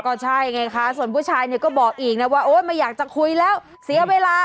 ก็ใช่ไงคะส่วนผู้ชายเนี่ยก็บอกอีกนะว่าโอ๊ยไม่อยากจะคุยแล้วเสียเวลา